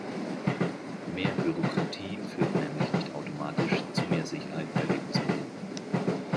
Mehr Bürokratie führt nämlich nicht automatisch zu mehr Sicherheit bei Lebensmitteln.